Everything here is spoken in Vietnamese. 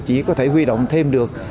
chỉ có thể huy động thêm được